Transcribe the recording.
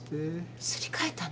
すり替えたの？